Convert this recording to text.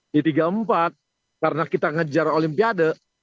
di tiga puluh empat karena kita ngejar olimpiade